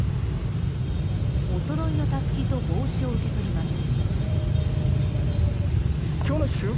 おそろいのたすきと帽子を受け取ります。